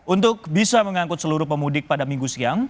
untuk bisa mengangkut seluruh pemudik pada minggu siang